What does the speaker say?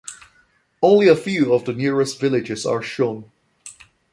Only a few of the nearest villages are shown.